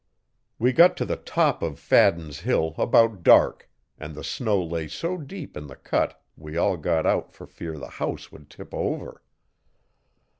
We got to the top of Fadden's Hill about dark, and the snow lay so deep in the cut we all got out for fear the house would tip over.